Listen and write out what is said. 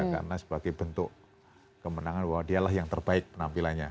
karena sebagai bentuk kemenangan bahwa dialah yang terbaik penampilannya